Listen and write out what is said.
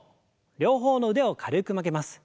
両方の腕を軽く曲げます。